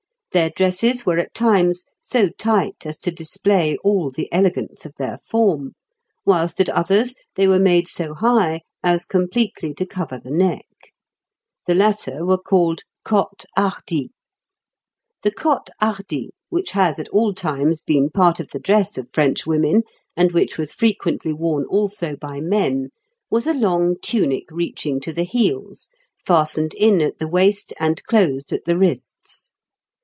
Their dresses were at times so tight as to display all the elegance of their form, whilst at others they were made so high as completely to cover the neck; the latter were called cottes hardies. The cotte hardie, which has at all times been part of the dress of French women, and which was frequently worn also by men, was a long tunic reaching to the heels, fastened in at the waist and closed at the wrists.